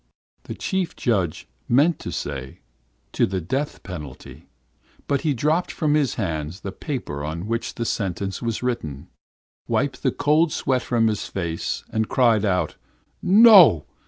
"The chief judge meant to say 'to the death penalty,' but he dropped from his hands the paper on which the sentence was written, wiped the cold sweat from his face, and cried out: "'No!